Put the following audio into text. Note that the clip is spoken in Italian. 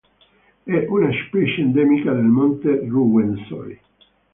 È una specie endemica del monte Ruwenzori.